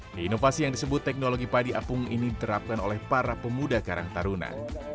di inovasi yang disebut teknologi padi apung ini diterapkan oleh para pemuda karang taruna